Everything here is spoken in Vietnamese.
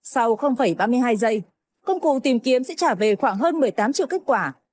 sau ba mươi hai giây công cụ tìm kiếm sẽ trả về khoảng hơn một mươi tám triệu kết quả